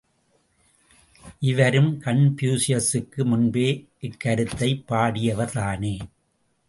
இவரும் கன்பூசியசுக்கு முன்பே இக்கருத்தைப் பாடியவர் தானே!